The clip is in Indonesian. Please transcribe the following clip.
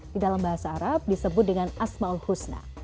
di dalam bahasa arab disebut dengan asma'ul husna